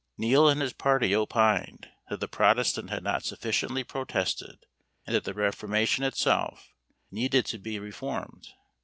Neal and his party opined that the protestant had not sufficiently protested, and that the reformation itself needed to be reformed.